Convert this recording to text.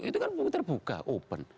itu kan terbuka open